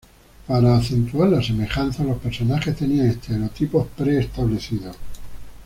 Para acentuar la semejanza los personajes tenían estereotipos pre establecidos.